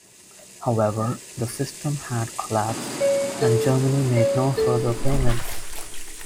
However, the system had collapsed, and Germany made no further payments.